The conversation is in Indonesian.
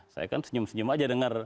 saya kan senyum senyum aja dengar